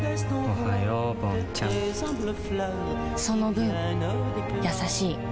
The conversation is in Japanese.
その分優しい